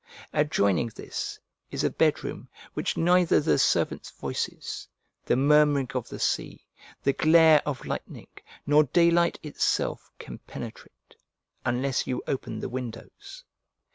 Adjoining this is a bed room, which neither the servants' voices, the murmuring of the sea, the glare of lightning, nor daylight itself can penetrate, unless you open the windows.